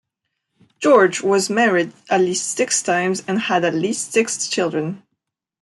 George was married at least six times and had at least six children.